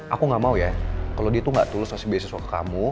aku gak mau ya kalau dia tuh gak tulus kasih beasiswa ke kamu